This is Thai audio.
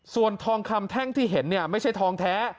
ส่วนทองคำแท่งที่เห็นเนี่ยไม่ใช่ทองแท้